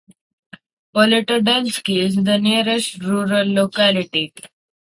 Politotdelsky is the nearest rural locality.